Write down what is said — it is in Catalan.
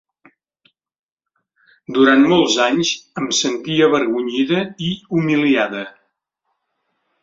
Durant molts anys em sentia avergonyida i humiliada.